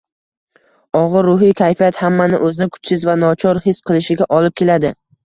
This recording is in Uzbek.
Og‘ir ruhiy kayfiyat hammani o‘zini kuchsiz va nochor his qilishiga olib keladi.